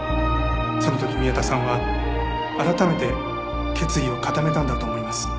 その時宮田さんは改めて決意を固めたんだと思います。